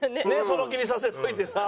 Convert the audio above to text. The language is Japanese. その気にさせといてさ。